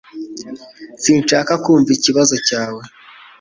Sinshaka kumva ikibazo cyawe